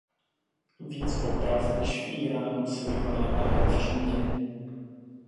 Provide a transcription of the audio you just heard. Víc poprav než v Íránu se vykonává jen v Číně.